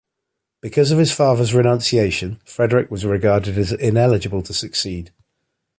Because of his father's renunciation, Frederick was regarded as ineligible to succeed.